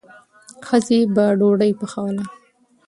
ښځې به ډوډۍ پخوله.